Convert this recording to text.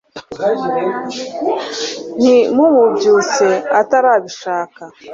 ntimumubyutse atarabishaka